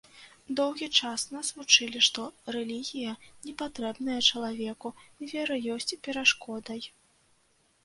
Доўгі час нас вучылі, што рэлігія не патрэбная чалавеку, вера ёсць перашкодай.